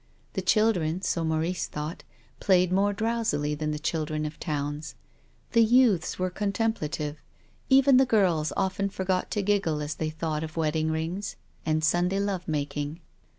The children — so Maurice thought — played more drowsily than the children of towns. The youths were contem plative. Even the girls often forgot to giggle as they thought of wedding rings and Sunday love making.